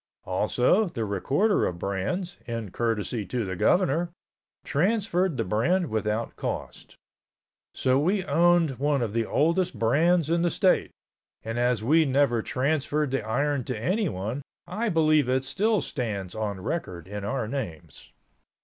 Also the recorder of brands, in courtesy to the governor, transferred the brand without cost. So we owned one of the oldest brands in the state, and as we never transferred the iron to anyone I believe it still stands on record in our names.